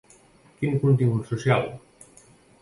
Quin contingut social?